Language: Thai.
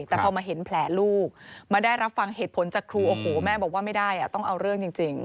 แต่พอมาเห็นแผลลูกมาได้รับฟังเหตุผลจากครูโอ้โหแม่บอกว่าไม่ได้ต้องเอาเรื่องจริง